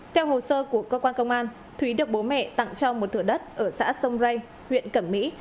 theo hồ sơ của cơ quan công an thúy được bố mẹ tặng cho một thửa đất ở xã sông rây huyện cẩm mỹ